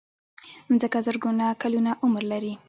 مځکه زرګونه کلونه عمر لري.